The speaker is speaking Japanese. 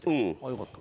よかった。